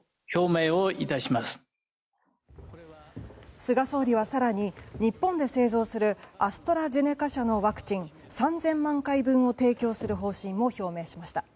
菅総理は更に日本で製造するアストラゼネカ社のワクチン３０００万回分を提供する方針を表明しました。